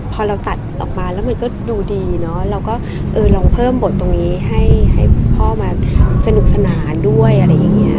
พอเราตัดออกมาแล้วมันก็ดูดีเนอะเราก็เออลองเพิ่มบทตรงนี้ให้พ่อมาสนุกสนานด้วยอะไรอย่างนี้